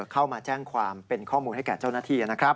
เข้ามาแจ้งความเป็นข้อมูลให้แก่เจ้าหน้าที่นะครับ